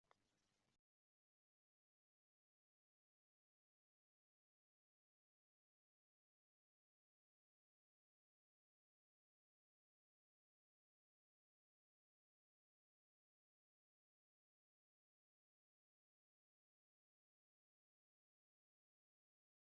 Ha, – dedim men, – to soʻnggi nafasigacha birovga ogʻirligi tushmadi.